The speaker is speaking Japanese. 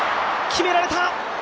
決められた！